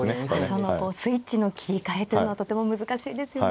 そのスイッチの切り替えというのはとても難しいですよね。